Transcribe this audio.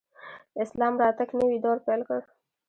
د اسلام راتګ نوی دور پیل کړ